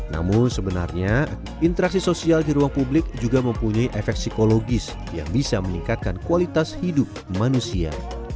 namun sebenarnya interaksi sosial di ruang publik juga mempunyai efek psikologis yang bisa meningkatkan kualitas hidup manusia